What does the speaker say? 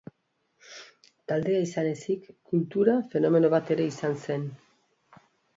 Taldea izan ezik kultura fenomeno bat ere izan zen.